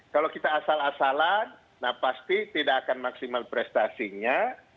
kalau kita asal asalan nah pasti tidak akan maksimal prestasinya